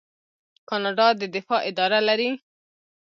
کاناډا د دفاع اداره لري.